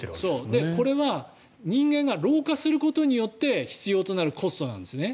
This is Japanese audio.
これは人間が老化することによって必要となるコストなんですね。